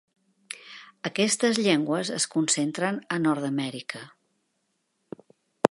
Aquestes llengües es concentren a Nord-amèrica.